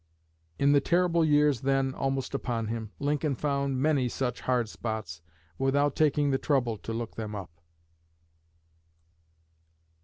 '" In the terrible years then almost upon him, Lincoln found many such "hard spots" without taking the trouble to look them up.